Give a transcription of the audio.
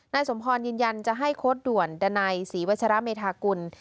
สมพรยืนยันจะให้โค้ดด่วนดันัยศรีวัชระเมธากุล